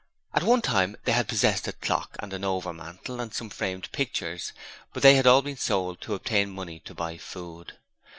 At one time they had possessed a clock and an overmantel and some framed pictures, but they had all been sold to obtain money to buy food.